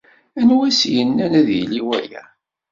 Anwa i as-yennan ad d-yili waya!